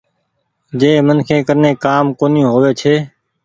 جنهن منکي ڪني ڪآم ڪونيٚ هووي ڇي۔